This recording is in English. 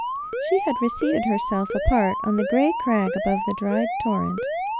She had reseated herself apart, on the grzy crag above the dried torrent.